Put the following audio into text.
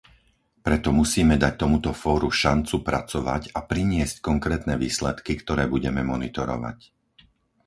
Preto musíme dať tomuto fóru šancu pracovať a priniesť konkrétne výsledky, ktoré budeme monitorovať.